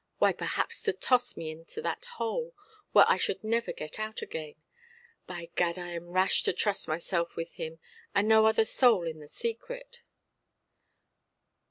Why, perhaps to toss me into that hole, where I should never get out again. By Gad, I am rash to trust myself with him, and no other soul in the secret"!